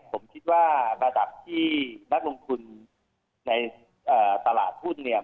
ผมคิดว่าระดับที่นักลงทุนในตลาดหุ้นเนี่ย